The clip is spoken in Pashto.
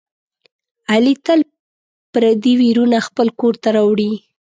علي تل پردي ویرونه خپل کورته راوړي.